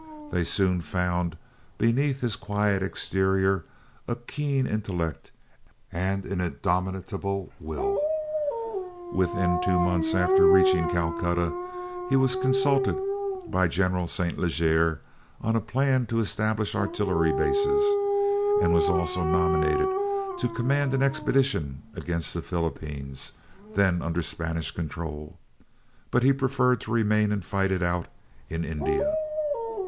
They soon found, beneath his quiet exterior, a keen intellect and an indomitable will. Within two months after reaching Calcutta he was consulted by General St. Leger on a plan to establish artillery bases, and was also nominated to command an expedition against the Philippines, then under Spanish control, but preferred to remain and fight it out in India.